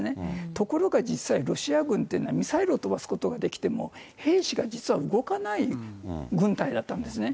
ところが実際、ロシア軍というのはミサイルを飛ばすことができても、兵士が実は動かない軍隊だったんですね。